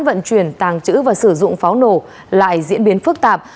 vận chuyển tàng trữ và sử dụng pháo nổ lại diễn biến phức tạp